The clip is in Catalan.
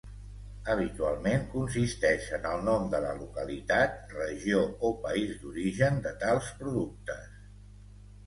Habitualment, consisteix en el nom de la localitat, regió o país d'origen de tals productes.